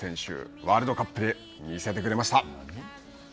ワールドカップで見せてくれました。